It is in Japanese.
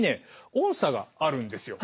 音叉があるんですよ。